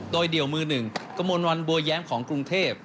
โดยเดี๋ยวมือ๑กมวลวันบัวแย้งของกรุงเทพฯ